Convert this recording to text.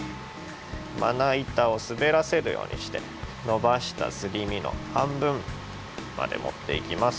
まないたをすべらせるようにしてのばしたすり身のはんぶんまでもっていきます。